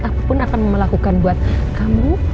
aku pun akan melakukan buat kamu